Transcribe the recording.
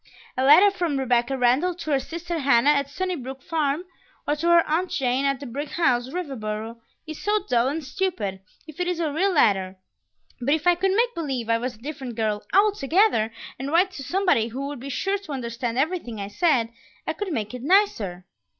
"A letter from Rebecca Randall to her sister Hannah at Sunnybrook Farm, or to her aunt Jane at the brick house, Riverboro, is so dull and stupid, if it is a real letter; but if I could make believe I was a different girl altogether, and write to somebody who would be sure to understand everything I said, I could make it nicer."